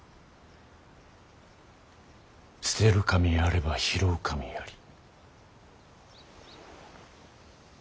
捨てる神あれば拾う神あり。